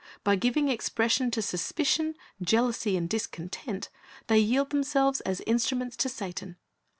By giving expression to suspicion, jealousy, and discontent, they yield themselves as instruments to Satan.